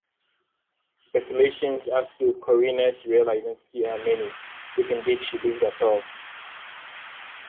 Speculations as to Corinna's real identity are many, if indeed she lived at all.